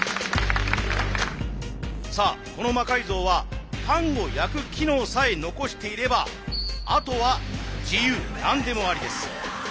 さあこの魔改造はパンを焼く機能さえ残していればあとは自由何でもありです。